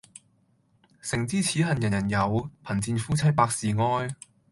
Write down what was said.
誠知此恨人人有，貧賤夫妻百事哀。